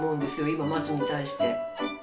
今松に対して。